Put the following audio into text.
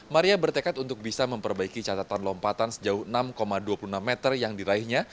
maria bertekad untuk bisa memperbaiki catatan lompatan sejauh enam dua puluh enam meter yang diraihnya